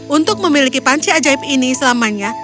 untuk memiliki panci ajaib ini selamanya